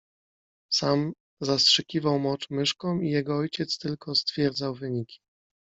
Sam zastrzykiwał mocz myszkom i jego ojciec tylko stwierdzał wyniki.